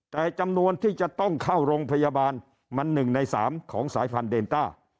แต่จำนวนที่จะต้องเข้าโรงพยาบาลมัน๑ใน๓ของสายพันธุเดนต้า